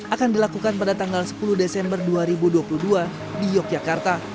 akan dilakukan pada tanggal sepuluh desember dua ribu dua puluh dua di yogyakarta